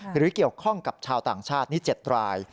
หรือเกี่ยวข้องกับชาวต่างชาตินี้๗ราย